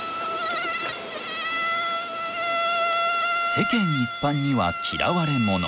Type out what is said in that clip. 世間一般には嫌われ者。